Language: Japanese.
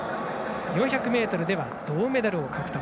４００ｍでは銅メダルを獲得。